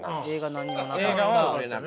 何もなかったな。